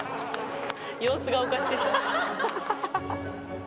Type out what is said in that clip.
様子がおかしい。